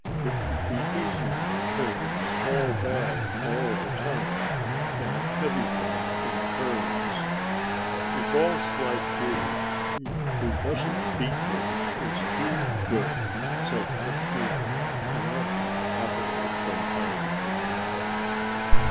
It would be easier to carry a small bag all the time than a heavy one in turns. "A boss like you, who doesn't beat one, is too good," said Mattia, laughing happily from time to time.